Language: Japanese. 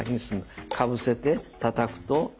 かぶせてたたくと下から。